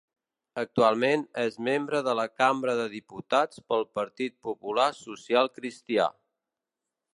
Actualment és membre de la Cambra de Diputats pel Partit Popular Social Cristià.